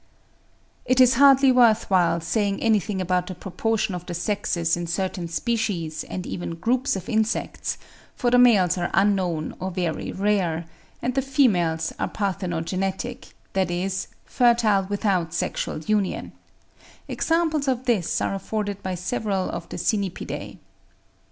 It is hardly worth while saying anything about the proportion of the sexes in certain species and even groups of insects, for the males are unknown or very rare, and the females are parthenogenetic, that is, fertile without sexual union; examples of this are afforded by several of the Cynipidae.